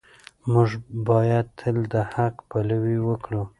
موږ باید تل د حق پلوي وکړو.